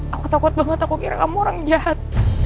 aku takut banget aku kira kamu orang jahat